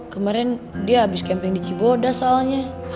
kemarin dia habis camping di ciboda soalnya